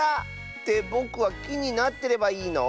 ってぼくはきになってればいいの？